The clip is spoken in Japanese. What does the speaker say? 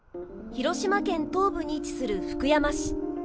広島県東部に位置する福山市。